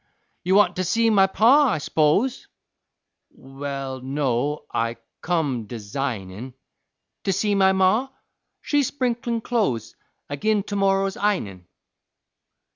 "You want to see my Pa, I s'pose?" "Wal no I come dasignin' " "To see my Ma? She's sprinklin' clo'es Agin to morrer's i'nin'."